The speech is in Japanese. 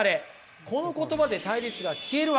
この言葉で対立が消えるわけです。